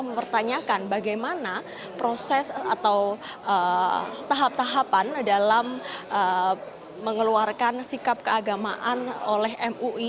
mempertanyakan bagaimana proses atau tahap tahapan dalam mengeluarkan sikap keagamaan oleh mui